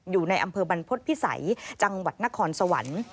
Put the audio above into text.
อยู่ในอำเภอบรรพฤษภิษัยจังหวัดนครสวรรค์